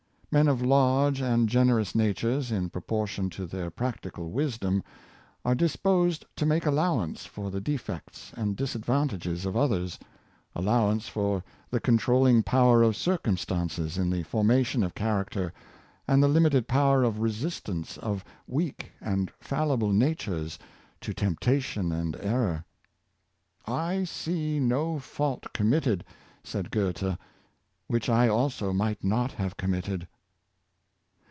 Men of large and generous natures, in proportion to their prac Forbearance Towards Others. ^85 tical wisdom, are disposed to make allowance for the defects and disadvantages of others — allowance for the controlling power of circumstances in the formation of character, and the limited power of resistance of weak and fallible natures to temptation and error. '' I see no fault committed," said Goethe, "which I also might not have committed."